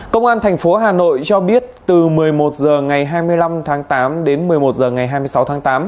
công an thành phố hà nội cho biết từ một mươi một h ngày hai mươi năm tháng tám đến một mươi một h ngày hai mươi sáu tháng tám